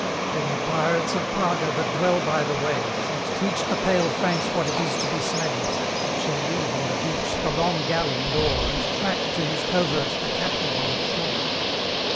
Then the pirates of Parga that dwell by the waves, And teach the pale Franks what it is to be slaves, Shall leave on the beach the long galley and oar, And track to his covert the captive on shore.